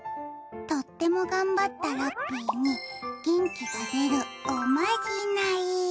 とっても頑張ったラッピーに元気が出るおまじない。